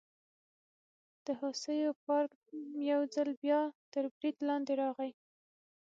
د هوسیو پارک یو ځل بیا تر برید لاندې راغی.